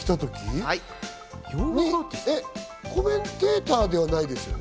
コメンテーターではないですよね。